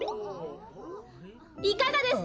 いかがですか？